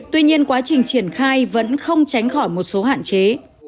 tuy nhiên quá trình triển khai vẫn không tránh khỏi một số hạn chế